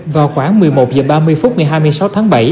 vào khoảng một mươi một h ba mươi phút ngày hai mươi sáu tháng bảy